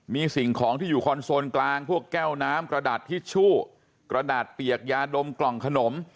มีสิ่งของที่อยู่คอนโซนกลางพวกแก้วน้ำกระดาษทิชชู่กระดาษเปียกยาดมกล่องขนม